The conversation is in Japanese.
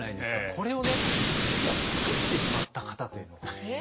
これをね実は作ってしまった方というのが。